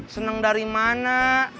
seneng dari mana